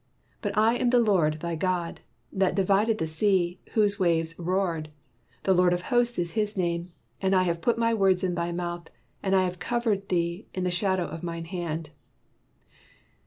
But I am the Lord thy God, that divided the sea, whose waves roared: the Lord of hosts is his name. And I have put my words in thy mouth, and I have covered thee in the shadow of mine hand.